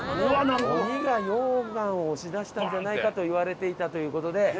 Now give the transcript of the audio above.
鬼が溶岩を押し出したんじゃないかといわれていたという事で。